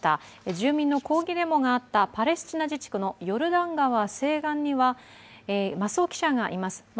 住民の抗議デモがあったパレスチナ自治区のヨルダン川西岸には増尾記者がいます。